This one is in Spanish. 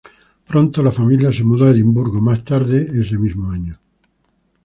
Pronto la familia se mudó a Edimburgo más tarde ese mismo año.